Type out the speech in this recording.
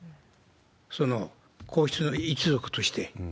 その皇室の一族として。